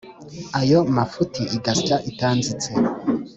ayo mafuti igasya itanzitse,